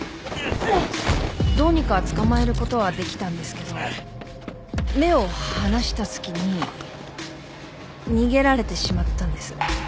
どうにか捕まえることはできたんですけど目を離した隙に逃げられてしまったんです。